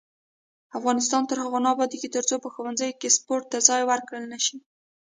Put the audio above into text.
افغانستان تر هغو نه ابادیږي، ترڅو په ښوونځیو کې سپورت ته ځای ورکړل نشي.